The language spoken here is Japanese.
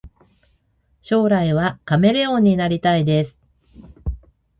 将来はカメレオンになりたいです